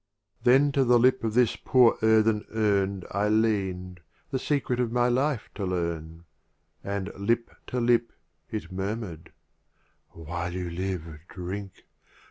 Then to the Lip of this poor earthen Urn I lean'd, the Secret of my Life to learn : And Lip to Lip it murmur'd —" While you live, "Drink!